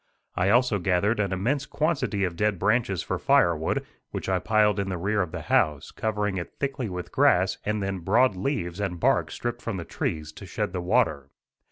I also gathered an immense quantity of dead branches for firewood, which I piled in the rear of the house, covering it thickly with grass and then broad leaves and bark stripped from the trees, to shed the water.